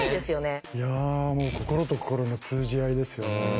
いやもう心と心の通じ合いですよね。